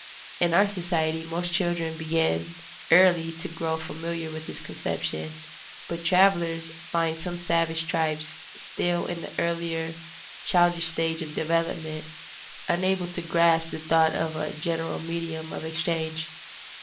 In our society most children begin early to grow familiar with this conception; but travelers find some savage tribes still in the earlier childish stage of development, unable to grasp the thought of a general medium of exchange.